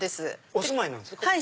お住まいなんですね。